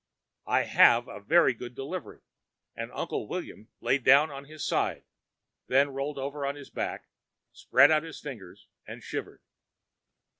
I have a very good delivery and Uncle William lay down on his side, then rolled over on his back, spread out his fingers and shivered.